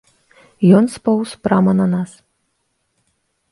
Ён споўз прама на нас.